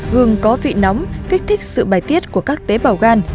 gương có vị nóng kích thích sự bài tiết của các tế bào gan